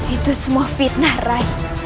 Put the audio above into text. itu semua fitnah rai